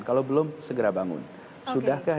kalau belum segera bangun sudahkah